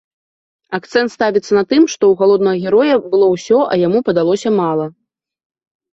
Акцэнт ставіцца на тым, што ў галоўнага героя было ўсё, а яму падалося мала.